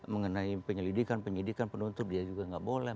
mengenai penyelidikan penyidikan penuntut dia juga nggak boleh